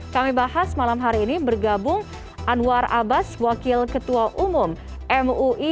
kami bahas malam hari ini bergabung anwar abbas wakil ketua umum mui